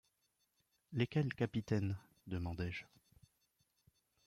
Lesquelles, capitaine ? demandai-je.